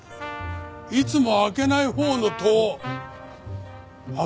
いつも開けないほうの戸を開けるか？